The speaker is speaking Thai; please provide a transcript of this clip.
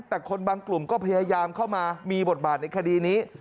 แต่คนบางกลุ่มก็พยายามเข้ามามีบทบาทในคดีนี้